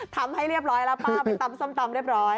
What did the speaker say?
ทำให้เรียบร้อยแล้วป้าไปตำส้มตำเรียบร้อย